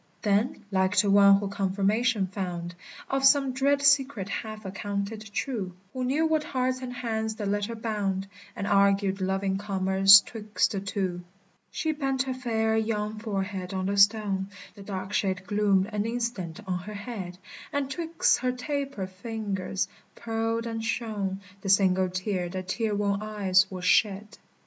Then, like to one who confirmation found Of some dread secret half accounted true, Who knew what hearts and hands the letter bound, And argued loving commerce 'twixt the two, She bent her fair young forehead on the stone; The dark shade gloomed an instant on her head; And 'twixt her taper fingers pearled and shone The single tear that tear worn eyes will shed.